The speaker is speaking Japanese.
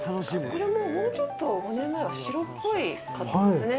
これも、もうちょっと５年前は白っぽかったんですね。